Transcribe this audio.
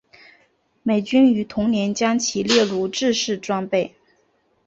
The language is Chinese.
美军于同年将其列入制式装备。